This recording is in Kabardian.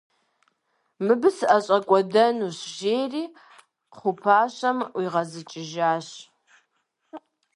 «Мыбы сыӏэщӏэкӏуэдэнущ!» - жери кхъуэпӏащэм ӏуигъэзыкӏыжащ.